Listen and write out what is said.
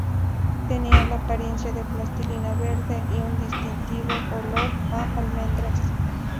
Tenía la apariencia de plastilina verde y un distintivo olor a almendras.